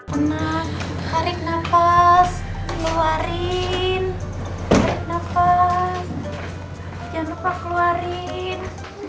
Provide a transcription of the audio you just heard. tarik nafas keluarin tarik nafas jangan lupa keluarin